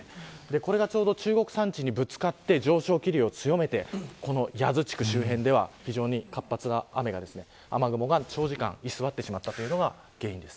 これが中国山地にぶつかって上昇気流を強めて八頭地区周辺では非常に活発な雨雲が長時間居座ってしまったのが原因です。